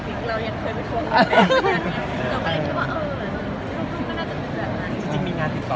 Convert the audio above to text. คือเราเล่นงานแล้วเรารู้สึกว่ามันไม่ได้ง่ายขนาดนั้น